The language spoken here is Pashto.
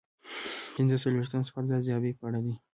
پنځه څلویښتم سوال د ارزیابۍ په اړه دی.